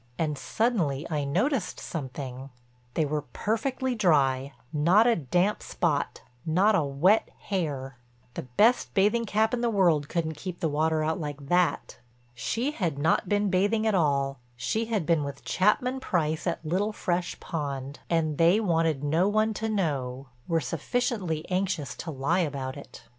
And suddenly I noticed something—they were perfectly dry, not a damp spot, not a wet hair. The best bathing cap in the world couldn't keep the water out like that. She had not been bathing at all, she had been with Chapman Price at Little Fresh Pond. And they wanted no one to know; were sufficiently anxious to lie about it.